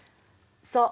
そう。